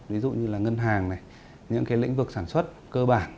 ví dụ như là ngân hàng những lĩnh vực sản xuất cơ bản